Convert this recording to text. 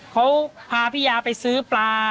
เขาพาพี่ยาไปซื้อปลา